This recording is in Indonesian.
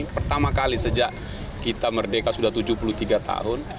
pertama kali sejak kita merdeka sudah tujuh puluh tiga tahun